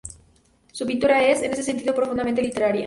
Su pintura es, en este sentido, profundamente literaria.